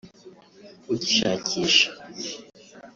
ugishakisha